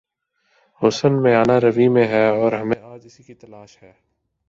حسن میانہ روی میں ہے اور ہمیں آج اسی کی تلاش ہے۔